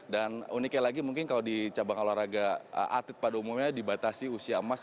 dan uniknya lagi mungkin kalau di cabang olahraga atlet pada umumnya dibatasi usia emas